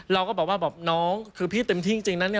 เราก็บอกว่าน้องคือพี่เต็มที่จริงนะ